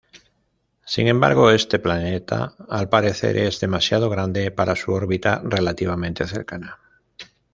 Sin embargo, este planeta al parecer es demasiado grande para su órbita relativamente cercana.